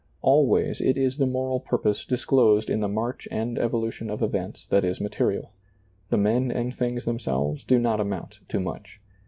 Always it is the moral purpose disclosed in the march and evolution of events that is material The men and things themselves do not amount to much.